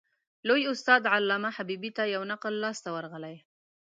لوی استاد علامه حبیبي ته یو نقل لاس ورغلی.